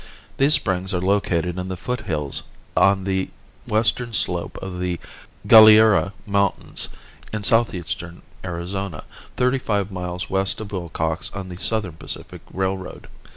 These springs are located in the foothills on the western slope of the Galiura mountains in southeastern Arizona, thirty five miles west of Willcox on the Southern Pacific Railroad.